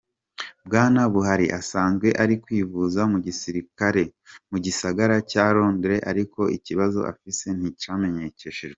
Bwana Buhari asanzwe ari kwivuza mu gisagara ca Londres ariko ikibazo afise nticameneyshejwe.